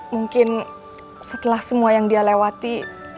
mungkin setelah semua yang dia lewati